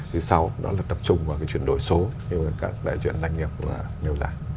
thứ sau đó là tập trung vào cái chuyển đổi số như các đại diện doanh nghiệp cũng như thế này